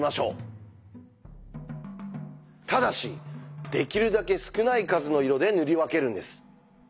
ただしできるだけ少ない数の色で塗り分けるんです。